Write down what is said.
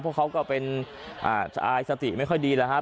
เพราะเขาก็เป็นชะอายสติไม่ค่อยดีแล้วครับ